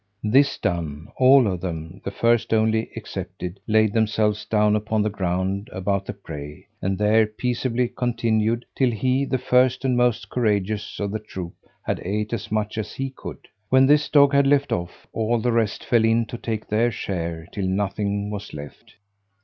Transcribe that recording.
This done, all of them, the first only excepted, laid themselves down upon the ground about the prey, and there peaceably continued, till he, the first and most courageous of the troop, had ate as much as he could: when this dog had left off, all the rest fell in to take their share, till nothing was left.